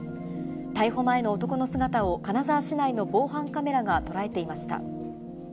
逮捕前の男の姿を金沢市内の防犯カメラが捉えていました。